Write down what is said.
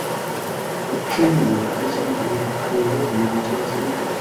Show me whether Iceland will be colder than it was last april